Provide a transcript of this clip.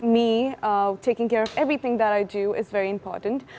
menguruskan segala hal yang saya lakukan adalah sangat penting